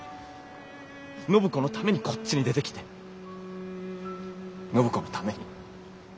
暢子のためにこっちに出てきて暢子のために。